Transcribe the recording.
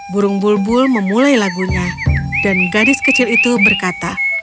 burung bulbul memulai lagunya dan gadis kecil itu berkata